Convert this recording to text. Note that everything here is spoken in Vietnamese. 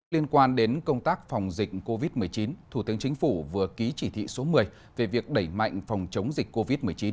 liên quan đến công tác phòng dịch covid một mươi chín thủ tướng chính phủ vừa ký chỉ thị số một mươi về việc đẩy mạnh phòng chống dịch covid một mươi chín